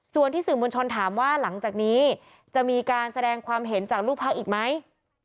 ส่วนที่สื่อมวลชนถามว่าหลังจากนี้จะมีการแสดงความเห็นจากลูกพักอีกไหม